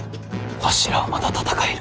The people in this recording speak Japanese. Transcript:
わしらはまだ戦える。